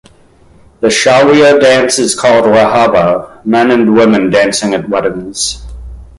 The Shawia dance is called Rahaba; men and women dancing at weddings.